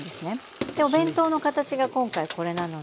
でお弁当の形が今回これなので。